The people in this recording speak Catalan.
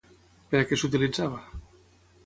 Per a què s'utilitzava?